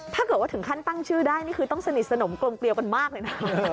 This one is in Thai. ถ้าเกิดว่าถึงขั้นตั้งชื่อได้นี่คือต้องสนิทสนมกลมเกลียวกันมากเลยนะ